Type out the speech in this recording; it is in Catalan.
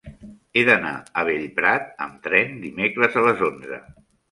He d'anar a Bellprat amb tren dimecres a les onze.